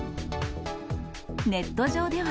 ネット上では。